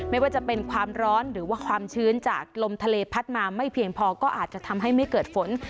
ไม่ว่าจะเป็นความร้อนหรือว่าความชื้นจากลมทะเลพัดมาไม่เพียงพอก็อาจจะทำให้ไม่เกิดฝน